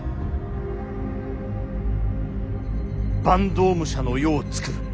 坂東武者の世をつくる。